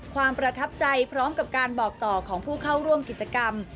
ความประทับใจพร้อมกับการบอกต่อของผู้เข้าร่วมกิจกรรม